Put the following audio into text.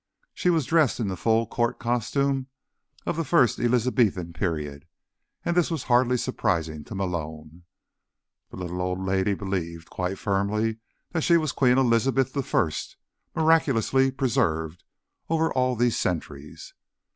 She was dressed in the full court costume of the First Elizabethan period, and this was hardly surprising to Malone. The little old lady believed, quite firmly, that she was Queen Elizabeth I, miraculously preserved over all these centuries.